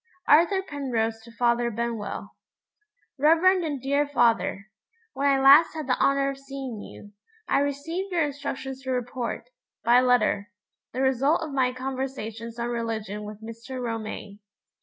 Arthur Penrose to Father Benwell. REVEREND AND DEAR FATHER When I last had the honor of seeing you, I received your instructions to report, by letter, the result of my conversations on religion with Mr. Romayne.